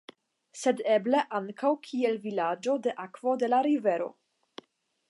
Sed eble ankaŭ kiel "Vilaĝo de Akvo de la Rivero".